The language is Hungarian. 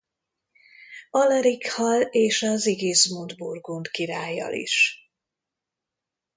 Alarik-hal és a Sigismund burgund királlyal is.